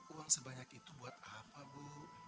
uang sebanyak itu buat apa bu